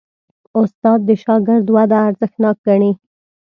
استاد د شاګرد وده ارزښتناک ګڼي.